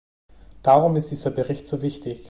Darum ist dieser Bericht so wichtig.